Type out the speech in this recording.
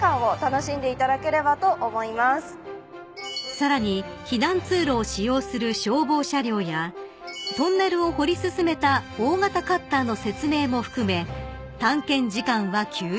［さらに避難通路を使用する消防車両やトンネルを掘り進めた大型カッターの説明も含め探検時間は９０分］